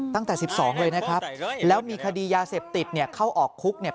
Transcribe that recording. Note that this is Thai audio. ตั้งแต่๑๒เลยนะครับแล้วมีคดียาเสพติดเนี่ยเข้าออกคุกเนี่ย